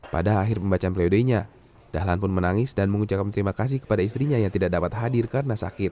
pada akhir pembacaan playodenya dahlan pun menangis dan mengucapkan terima kasih kepada istrinya yang tidak dapat hadir karena sakit